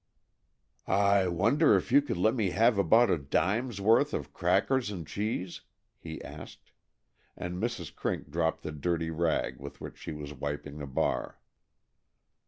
"I wonder if you could let me have about a dime's worth of crackers and cheese?" he asked, and Mrs. Crink dropped the dirty rag with which she was wiping the bar.